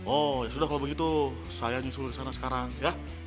oh ya sudah kalau begitu saya nyusul ke sana sekarang ya